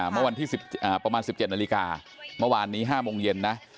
เมื่อวันที่ประมาณ๑๗นาฬิกาเมื่อวานนี้๕โมงเย็นนะ